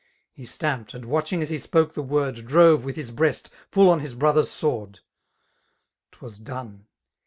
He stamped, aild watcfaing as he spoke the won|. Drove, with his hreast, fuU on his hrothtf *8 sword, ^was done.